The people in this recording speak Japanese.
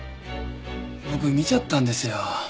僕見ちゃったんですよ。